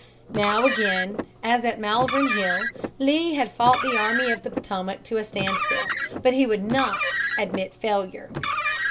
Now again, as at Malvern Hill (p. 321), Lee had fought the Army of the Potomac to a standstill. But he would not admit failure.